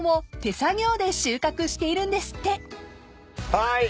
はい。